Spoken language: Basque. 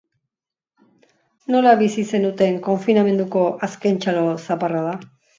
Nola bizi zenuten konfinamenduko azken txalo zaparrada?